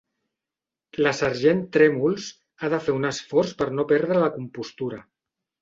La sergent Trèmols ha de fer un esforç per no perdre la compostura.